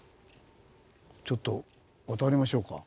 ちょっと渡りましょうか。